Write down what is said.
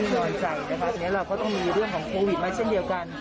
สรุปแล้วเมื่อสักครู่นี้